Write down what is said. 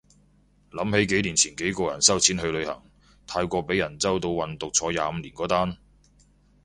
諗起幾年前幾個人收錢去旅行，泰國被人周到運毒坐廿五年嗰單